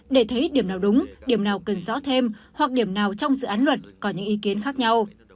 để thấy điểm nào đúng điểm nào cần rõ thêm hoặc điểm nào trong dự án luật có những ý kiến khác nhau